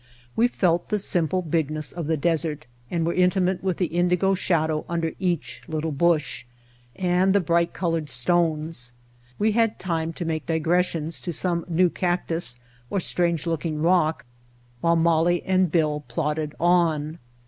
We felt the simple bigness of the desert, and were intimate with the indigo shadow under each little bush, and the bright colored stones; we had time to make digressions to some new cactus or strange looking rock while Molly and Bill plodded on.